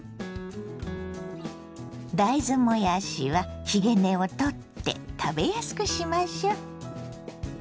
大豆もやしはひげ根を取って食べやすくしましょ。